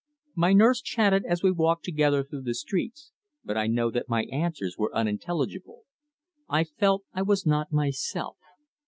My nurse chatted as we walked together through the streets, but I know that my answers were unintelligible. I felt I was not myself.